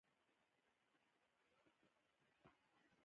پۀ داخله اخستو کښې کامياب شو ۔